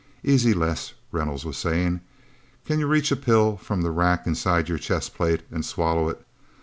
"Easy, Les," Reynolds was saying. "Can you reach a pill from the rack inside your chest plate, and swallow it?